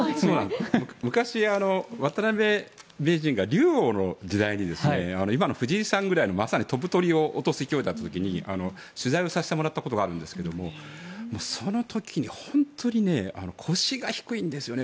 昔、渡辺名人が竜王の時代に今の藤井さんぐらいの、まさに飛ぶ鳥を落とす勢いだった時に取材させてもらったことがあるんですけどその時に本当に腰が低いんですよね。